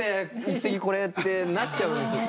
一席これ」ってなっちゃうんですよ。